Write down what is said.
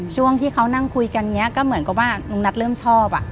ช่วงที่เขานั่งคุยกันอย่างนี้ก็เหมือนกับว่าลุงนัทเริ่มชอบ